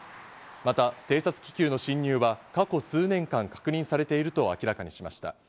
また、偵察気球の侵入は過去数年間確認されていると明らかにしました。